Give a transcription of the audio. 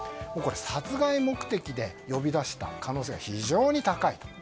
殺害目的で呼び出した可能性が非常に高い。